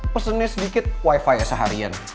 pesennya sedikit wifi ya seharian